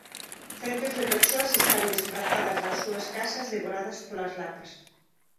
Centos de persoas están desprazadas das súas casas devoradas polas lapas.